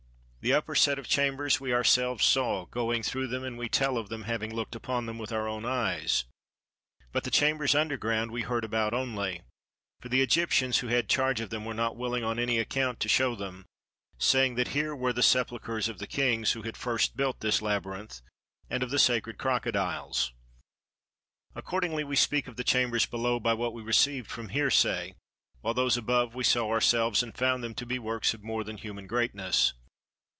The upper set of chambers we ourselves saw, going through them, and we tell of them having looked upon them with our own eyes; but the chambers under ground we heard about only; for the Egyptians who had charge of them were not willing on any account to show them, saying that here were the sepulchres of the kings who had first built this labyrinth and of the sacred crocodiles. Accordingly we speak of the chambers below by what we received from hearsay, while those above we saw ourselves and found them to be works of more than human greatness.